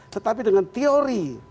tetapi dengan teori